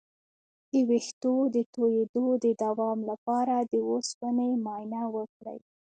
د ویښتو د تویدو د دوام لپاره د اوسپنې معاینه وکړئ